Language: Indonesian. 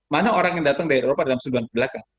mana orang yang datang dari eropa dalam sebulan kebelakang